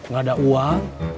gak ada uang